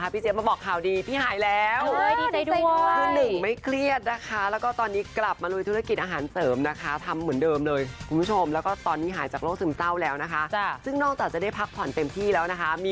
พี่เจี๊ยฟก็บอกข่าวดี